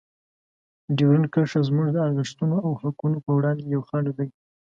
ډیورنډ کرښه زموږ د ارزښتونو او حقونو په وړاندې یوه خنډ ده.